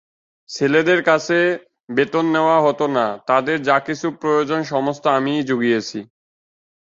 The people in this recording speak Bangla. ছেলেদের কাছে বেতন নেওয়া হত না, তাদের যা-কিছু প্রয়োজন সমস্ত আমিই জুগিয়েছি।